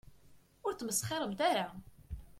Ur tmesxiremt ara.